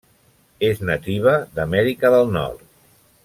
És nativa d'Amèrica del Nord.